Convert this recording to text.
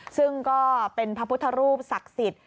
ซึ่งก็เป็นพระพุทธรูปศักดิ์สิทธิ์